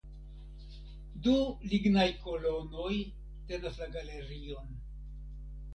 Du lignaj kolonoj tenas la galerion.